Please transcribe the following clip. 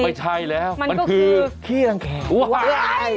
ไม่ใช่แล้วมันก็คือขี้กลางแคร